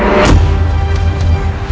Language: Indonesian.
dewa tak agung